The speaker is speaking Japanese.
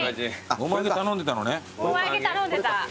もも揚げ頼んでた。